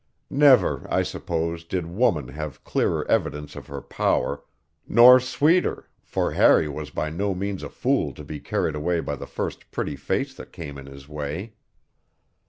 Never, I suppose, did woman have clearer evidence of her power, nor sweeter, for Harry was by no means a fool to be carried away by the first pretty face that came in his way.